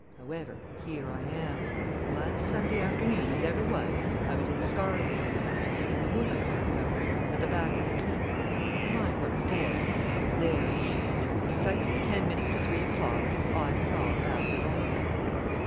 However, here I am and last Sunday afternoon as ever was, I was in Scarhaven! In the wood I was, guv'nor, at the back of the Keep. Never mind what for I was there. And at precisely ten minutes to three o'clock I saw Bassett Oliver."